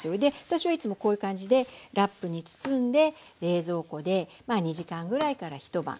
私はいつもこういう感じでラップに包んで冷蔵庫で２時間ぐらいから一晩。